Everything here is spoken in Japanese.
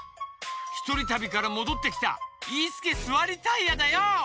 ひとりたびからもどってきたイースケ・スワリタイヤだよ！